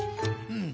うん？